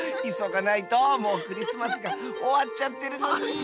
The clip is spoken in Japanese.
いそがないともうクリスマスがおわっちゃってるのに。